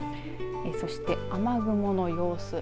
そして雨雲の様子。